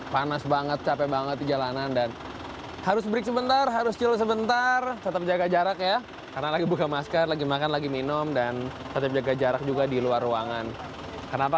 panas terik matahari membuat saya kepayahan ketika sebagian petugas derek melakukan penyelidikan